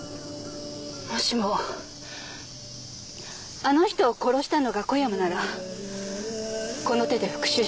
もしもあの人を殺したのが小山ならこの手で復讐したいと思い